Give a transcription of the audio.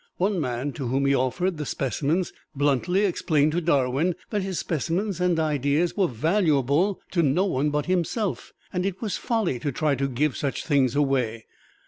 One man to whom he had offered the specimens bluntly explained to Darwin that his specimens and ideas were valuable to no one but himself, and it was folly to try to give such things away.